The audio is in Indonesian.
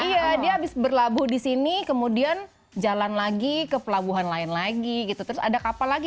iya dia habis berlabuh di sini kemudian jalan lagi ke pelabuhan lain lagi gitu terus ada kapal lagi